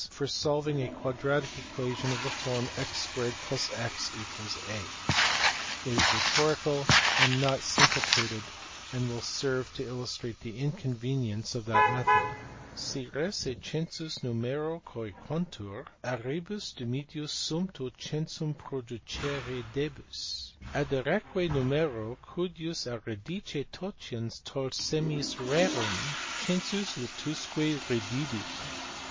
145) for solving a quadratic equation of the form x 2 + x = a : it is rhetorical and not synco pated, and will serve to illustrate the inconvenience of that method. "Si res et census numero coaequantur, a rebus dimidio sumpto censum prod u cere debes, addereque numero, cujus a radice totiens tolle semis rerum, census latusque redibit."